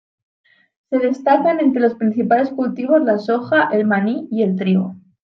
Se destacan entre los principales cultivos la soja, el maní y el trigo.